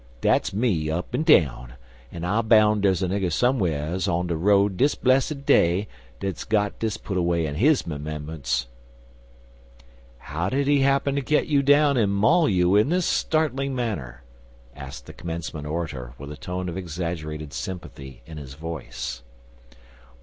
Dat's me, up an' down, an' I boun' dere's a nigger some'rs on de road dis blessid day dat's got dis put away in his 'membunce." "How did he happen to get you down and maul you in this startling manner?" asked the commencement orator, with a tone of exaggerated sympathy in his voice.